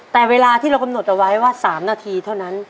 แต่เวลาที่เรากำหนดเอาไว้ว่า๓นาทีเท่านั้น